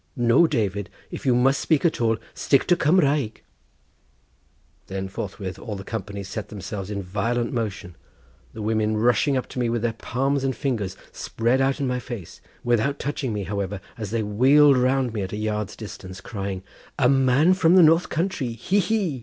No, David; if you must speak at all, stick to Cumraeg." Then forthwith all the company set themselves in violent motion: the women rushing up to me with their palms and fingers spread out in my face, without touching me, however, as they wheeled round me at about a yard's distance, crying: "A man from the north country, hee, hee!"